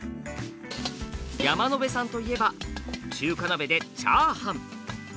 山野辺さんといえば中華鍋でチャーハン。